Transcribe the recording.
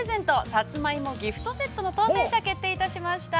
「さつまいもギフトセット」の当せん者が決定いたしました。